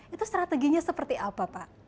itu strateginya seperti apa pak